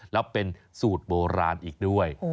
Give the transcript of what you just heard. แล้วเป็นสูตรโบราณอีกด้วย